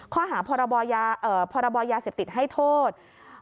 ข้อหาพรบยาเสพติดให้โทษ